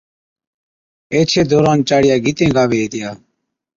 ايڇَي دوران چاڙِيا گيتين گاوي ھِتِيا